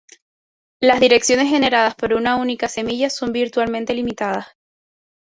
Las direcciones generadas por una única semilla son virtualmente ilimitadas.